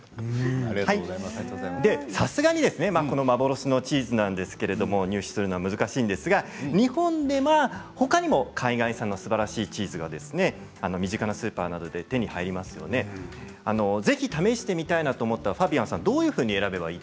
さすがにこの幻のチーズ入手するのは難しいんですが日本では、ほかにも海外産のすばらしいチーズが、身近なスーパーなどで手に入りますのでぜひ試してみたいなと思ったらファビアンさん